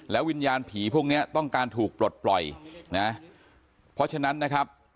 วิญญาณผีพวกเนี้ยต้องการถูกปลดปล่อยนะเพราะฉะนั้นนะครับ